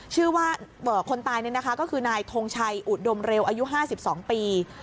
คนตายนี่นะคะก็คือนายทงชัยอุดมเร็วอายุ๕๒ปี